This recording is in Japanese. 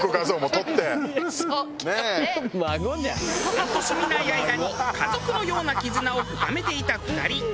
半年見ない間に家族のような絆を深めていた２人。